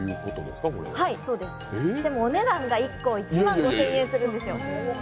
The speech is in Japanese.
でも、お値段が１個１万５００円するんですよ。